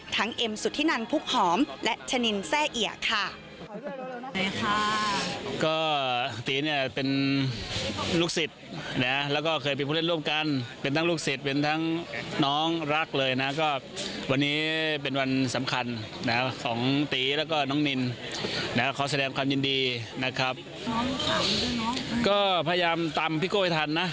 เอ็มสุธินันพุกหอมและชะนินแซ่เอียดค่ะ